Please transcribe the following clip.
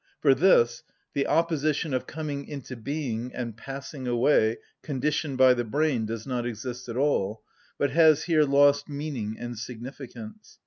For this the opposition of coming into being and passing away conditioned by the brain, does not exist at all, but has here lost meaning and significance.